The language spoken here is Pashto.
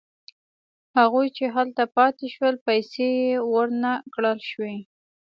هغوی چې هلته پاتې شول پیسې ورنه کړل شوې.